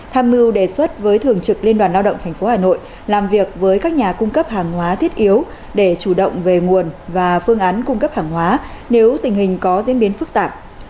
tham mưu đề xuất với thường trực liên đoàn lao động tp hà nội làm việc với các nhà cung cấp hàng hóa thiết yếu để chủ động về nguồn và phương án cung cấp hàng hóa nếu tình hình có diễn biến phức tạp